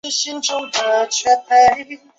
我已经陷入悲哀的轮回